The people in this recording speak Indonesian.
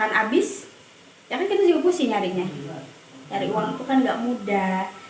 nyari uang itu kan nggak mudah